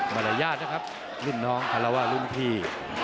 มารยาทนะครับรุ่นน้องคารวาสรุ่นพี่